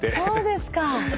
そうですか。